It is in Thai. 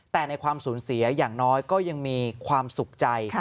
แต่ในความสูญเสียอย่างน้อยก็ยังมีความสุขใจ